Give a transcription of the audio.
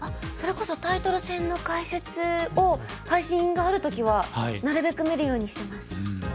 それこそタイトル戦の解説を配信がある時はなるべく見るようにしてます。